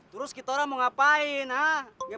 terus kita orang mau ngapain ah